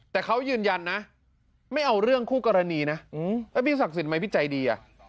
แต่เขายืนยันนะไม่เอาเรื่องคู่กรณีนะแล้วพี่ศักดิ์ไหมพี่ใจดีอ่ะ